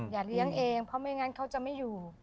อย่าเลี้ยงเองเพราะไม่งั้นเขาจะไม่อยู่